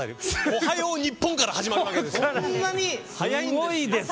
「おはよう日本」から始まるんです。